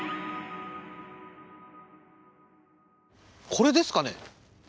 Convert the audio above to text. これですかね？